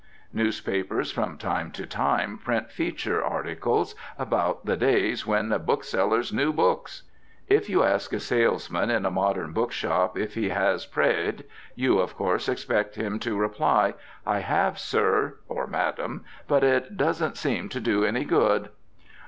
Newspapers from time to time print feature articles about the days "When Book Sellers Knew Books." If you ask a salesman in a modern book shop if he has "Praed," you of course expect him to reply, "I have, sir (or madam), but it doesn't seem to do any good."